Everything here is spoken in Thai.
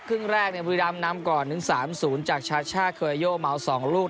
ครึ่งแรกบุรีรำนำก่อนถึง๓๐จากชาช่าเคยโยเมา๒ลูก